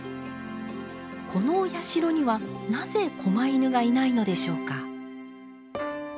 このお社にはなぜこま犬がいないのでしょうか。